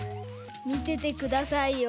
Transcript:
みててくださいよ。